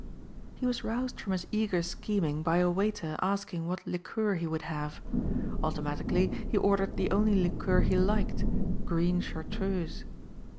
He was roused from his eager scheming by a waiter asking what liqueur he would have. Automatically he ordered the only liqueur he liked, green chartreuse.